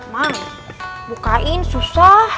mak bukain susah